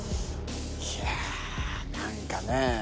いや何かね。